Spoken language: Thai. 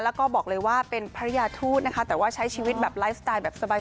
แล้วก็บอกเลยว่าเป็นพระยาทูตนะคะแต่ว่าใช้ชีวิตแบบไลฟ์สไตล์แบบสบาย